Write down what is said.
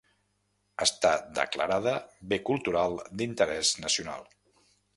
Està declarada Bé Cultural d'Interès Nacional.